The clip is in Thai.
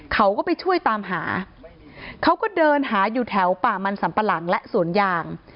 เขาก็ไปช่วยตามหาเขาก็เดินหาอยู่แถวป่ามันสัมปะหลังและสวนยาง